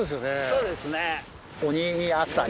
そうですね。